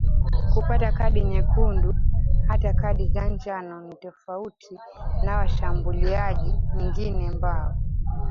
kupata kadi nyekundu hata kadi za njano nitofauti na washambuliaji nyingine mbao